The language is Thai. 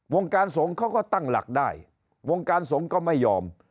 วงการสงฆ์เขาก็ตั้งหลักได้วงการสงฆ์ก็ไม่ยอม